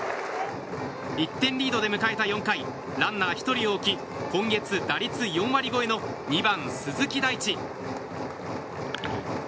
１点リードで迎えた４回ランナー１人を置き今月打率４割超えの２番、鈴木大地。